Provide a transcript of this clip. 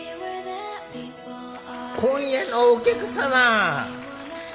今夜のお客様！